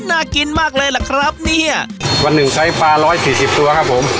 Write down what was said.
น่ากินมากเลยล่ะครับเนี่ยวันหนึ่งใช้ปลาร้อยสี่สิบตัวครับผม